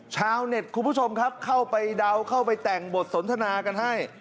ชาวเน็ตคุณผู้ชมครับเข้าไปเดาเข้าไปแต่งบทสนทนากันให้